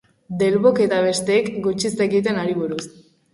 Delbok eta besteek gutxi zekiten hari buruz.